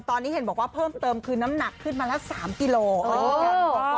ตอนนี้เห็นบอกว่าเพิ่มเติมคือน้ำหนักขึ้นมาแล้ว๓กิโล